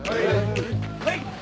はい。